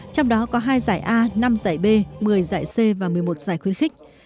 trong đó có hai giải a năm giải b một mươi giải c và một mươi một giải khuyến khích